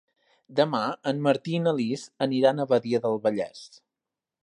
Demà en Martí i na Lis aniran a Badia del Vallès.